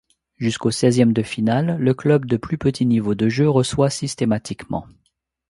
Jusqu’aux seizièmes de finale, le club de plus petit niveau de jeu reçoit systématiquement.